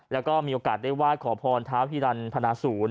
แล้วก็มีโอกาสได้วาดขอพรท้าพิดันพนศูนย์